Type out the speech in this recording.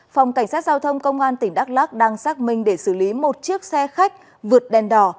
phòng cảnh sát giao thông công an tỉnh đắk lắc đang xác minh để xử lý một chiếc xe khách vượt đèn đỏ